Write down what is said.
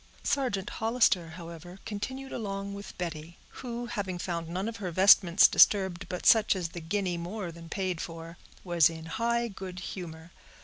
Sergeant Hollister, however, continued along with Betty, who, having found none of her vestments disturbed but such as the guinea more than paid for, was in high good humor.